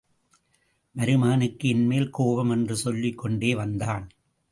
மருமகனுக்கு என்மேல் கோபம் என்று சொல்லிக் கொண்டே வந்தான்.